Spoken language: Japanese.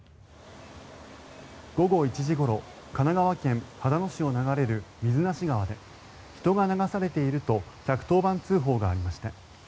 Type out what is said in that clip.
午後１時ごろ神奈川県秦野市を流れる水無川で人が流されていると１１０番通報がありました。